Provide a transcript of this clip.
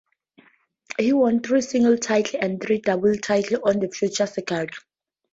He won three singles titles and three doubles titles on the Futures circuit.